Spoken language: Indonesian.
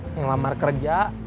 yang lamar kerja